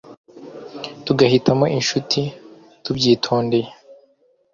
tugahitamo inshuti tubyitondeye